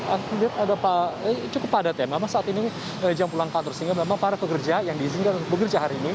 anda melihat ada cukup padat ya memang saat ini jam pulang kantor sehingga memang para pekerja yang diizinkan bekerja hari ini